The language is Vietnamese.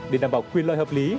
để đảm bảo quyền loại hợp lý